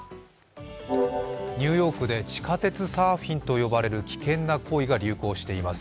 ニューヨークで地下鉄サーフィンと呼ばれる危険な行為が流行しています。